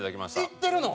行ってるの？